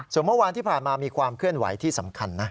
ส่วนเมื่อวานที่ผ่านมามีความเคลื่อนไหวที่สำคัญนะ